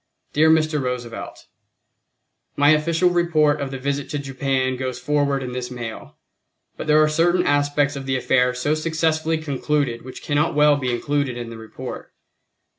Dear Mr. Roosevelt: My official report of the visit to Japan goes forward in this mail, but there are certain aspects of the affair so successfully concluded which cannot well be included in the report.